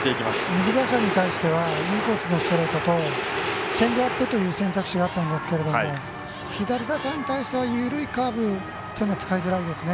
右打者に対してはインコースのストレートとチェンジアップという選択肢があったんですが左打者に対しては緩いカーブは使いづらいですね。